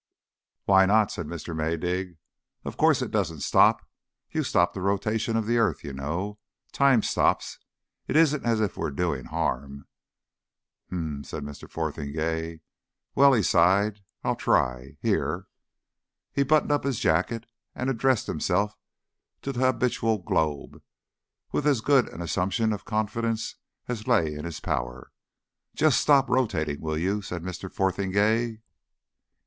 "Why not?" said Mr. Maydig. "Of course it doesn't stop. You stop the rotation of the earth, you know. Time stops. It isn't as if we were doing harm." "H'm!" said Mr. Fotheringay. "Well." He sighed. "I'll try. Here " He buttoned up his jacket and addressed himself to the habitable globe, with as good an assumption of confidence as lay in his power. "Jest stop rotating, will you," said Mr. Fotheringay.